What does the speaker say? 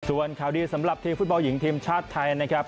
ส่วนข่าวดีสำหรับทีมฟุตบอลหญิงทีมชาติไทยนะครับ